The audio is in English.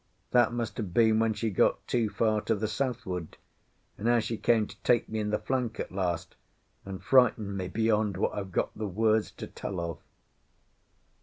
That must have been when she got too far to the southward, and how she came to take me in the flank at last and frighten me beyond what I've got the words to tell of.